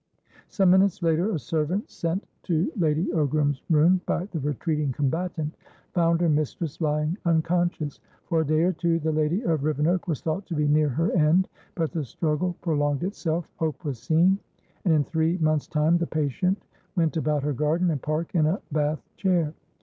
Some minutes later, a servant sent to Lady Ogram's room by the retreating combatant found her mistress lying unconscious. For a day or two the lady of Rivenoak was thought to be near her end; but the struggle prolonged itself, hope was seen, and in three months' time the patient went about her garden and park in a bath chair.